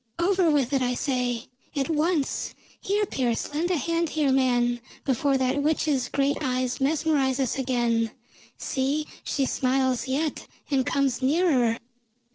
"Over with it, I say! At once! Here, Pearse, lend a hand here, man, before that witch's great eyes mesmerize us again. See, she smiles yet, and comes nearer."